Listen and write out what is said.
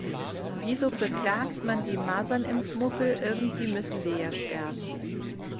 Wieso beklagt man die Masernimpfmuffel, irgendwie müssen wir ja sterben.